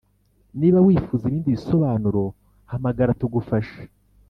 Niba wifuza ibindi bisobanuro hamagara tugufashe